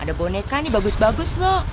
ada boneka nih bagus bagus tuh